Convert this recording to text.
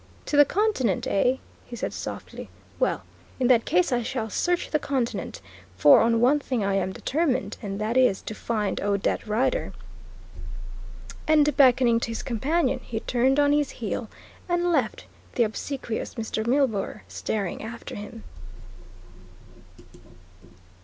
"To the Continent, eh?" he said softly. "Well, in that case I shall search the Continent; for on one thing I am determined, and that is to find Odette Rider," and, beckoning to his companion, he turned on his heel and left the obsequious Mr. Milburgh staring after him.